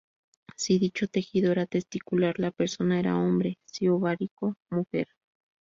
Si dicho tejido era testicular, la persona era hombre; si ovárico, mujer.